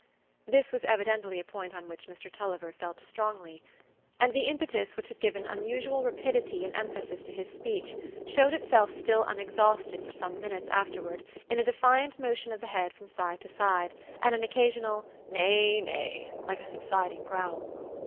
This was evidently a point on which Mr Tulliver felt strongly; and the impetus which had given unusual rapidity and emphasis to his speech showed itself still unexhausted for some minutes afterward in a defiant motion of the head from side to side, and an occasional "Nay, nay," like a subsiding growl.